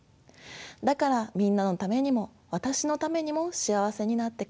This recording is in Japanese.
だからみんなのためにも私のためにも幸せになってくださいね。